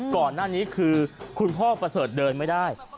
ก่อนหน้านี้คือคุณพ่อประเสริฐเดินไม่ได้